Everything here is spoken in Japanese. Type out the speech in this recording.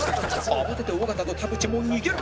慌てて尾形と田渕も逃げる